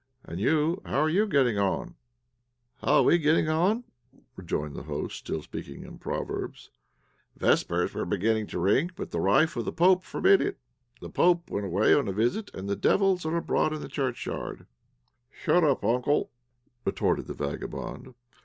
And you, how are you all getting on?" "How are we all getting on?" rejoined the host, still speaking in proverbs. "Vespers were beginning to ring, but the wife of the pope forbid it; the pope went away on a visit, and the devils are abroad in the churchyard." "Shut up, uncle," retorted the vagabond.